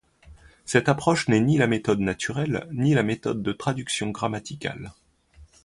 Cette approche n'est ni la méthode naturelle, ni la méthode de traduction grammaticale.